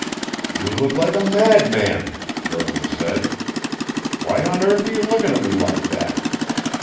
"You look like a madman!" Lerton said. "Why on earth are you looking at me like that?